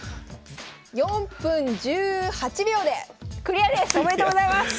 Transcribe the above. ４分１８秒でクリアです！